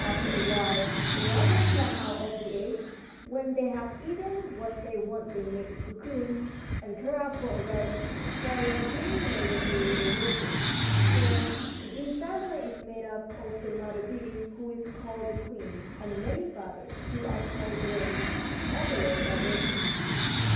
After a while the larvas come out of the eggs. When they have eaten what they want they make a cocoon, and curl up for a rest while they are being made into little workers. You know, the bee family is made up of the mother bee, who is called the queen, and many fathers, who are called drones; all the rest are workers."